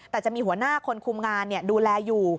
แต่จะมีหัวหน้าคนคุมงานดูแลอยู่